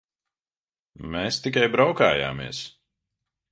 Mēs tikai braukājāmies.